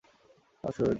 সর, শুয়োরের দল।